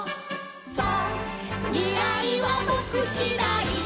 「そうみらいはぼくしだい」